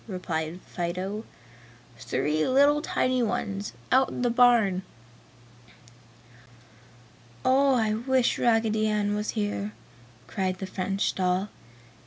replied Fido, "Three little tiny ones, out in the barn!" "Oh, I wish Raggedy Ann was here!" cried the French doll.